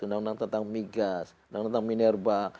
undang undang tentang migas undang undang tentang minerba